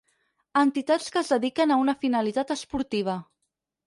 Entitats que es dediquen a una finalitat esportiva.